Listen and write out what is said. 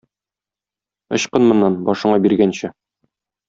Ычкын моннан, башыңа биргәнче!